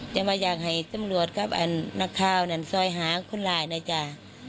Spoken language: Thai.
จ้ามาอยากให้ตำรวจครับนักข่าวนั้นซอยหาคุณลายนะจ้า